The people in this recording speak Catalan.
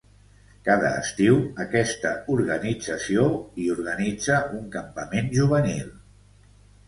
Cada estiu aquesta organització hi organitza un campament juvenil.